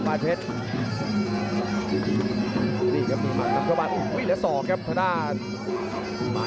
และเกิดสลับด้านขวา